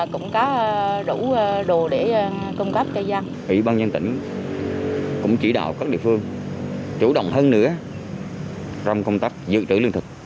cũng chỉ đạo các địa phương chủ động hơn nữa trong công tác dự trữ lương thực